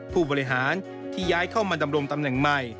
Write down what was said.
ผู้บริหารที่ย้ายเข้ามาดำรงตำแหน่งใหม่